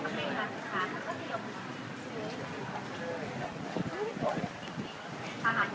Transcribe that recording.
สวัสดีครับ